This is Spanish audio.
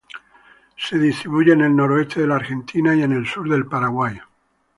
Se distribuye en el nordeste de la Argentina y en el sur del Paraguay.